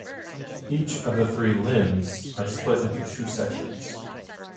Each of the three "limbs" are split into two sections.